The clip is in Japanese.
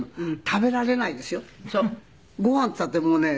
１膳食べられないですよ。